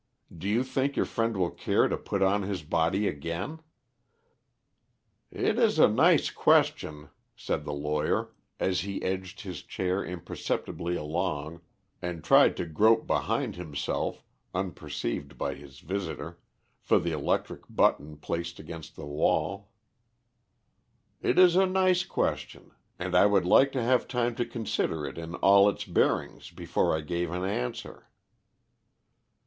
Do you think your friend will care to put on his body again?" [Illustration: "WHEN YOU PRESS THE IVORY BUTTON, I FIRE"] "It is a nice question," said the lawyer, as he edged his chair imperceptibly along and tried to grope behind himself, unperceived by his visitor, for the electric button, placed against the wall. "It is a nice question, and I would like to have time to consider it in all its bearings before I gave an answer."